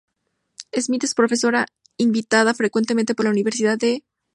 Smith es profesora invitada frecuentemente por la Universidad de Jyväskylä.